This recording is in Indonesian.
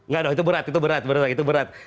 gak dong itu berat itu berat itu berat